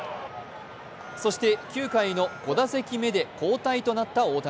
そして９回の５打席目で交代となった大谷。